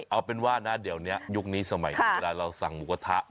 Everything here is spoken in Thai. เอาเป็นว่านะเดี๋ยวนี้ยุคนี้สมัยนี้เวลาเราสั่งหมูกระทะ